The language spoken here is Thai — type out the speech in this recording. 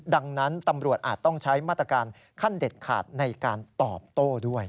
ดังนั้นตำรวจอาจต้องใช้มาตรการขั้นเด็ดขาดในการตอบโต้ด้วย